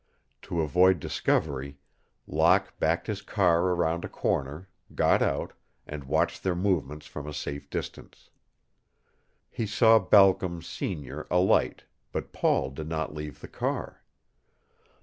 To avoid discovery, Locke backed his car around a corner, got out, and watched their movements from a safe distance. He saw Balcom, senior, alight, but Paul did not leave the car.